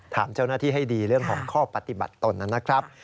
ถามเจ้าหน้าที่ให้ดีเรื่องของข้อปฏิบัติตนนะครับ